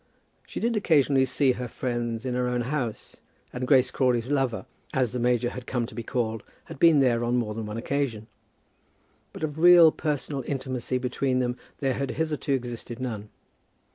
She did occasionally see her friends in her own house, and Grace Crawley's lover, as the major had come to be called, had been there on more than one occasion; but of real personal intimacy between them there had hitherto existed none.